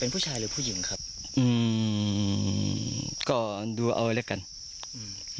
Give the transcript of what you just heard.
ผู้ชายหรือผู้หญิงครับอืมก็ดูเอาไว้แล้วกันอืม